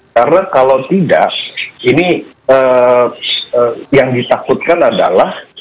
karena kalau tidak ini yang ditakutkan adalah